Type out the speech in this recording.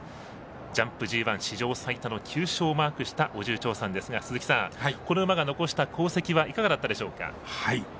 ジャンプＧＩ史上最多の９勝をマークしたオジュウチョウサンですがこの馬が残した功績はいかがだったでしょうか？